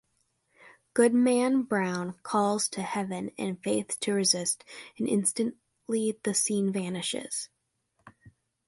Goodman Brown calls to heaven and Faith to resist and instantly the scene vanishes.